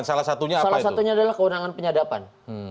salah satunya adalah kewenangan penyadapan